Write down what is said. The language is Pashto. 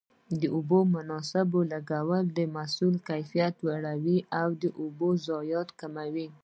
د اوبو مناسب لګول د محصول کیفیت لوړوي او د اوبو ضایعات کموي.